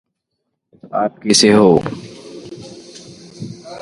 Sex and relationship experts have varying definitions on how the act is performed.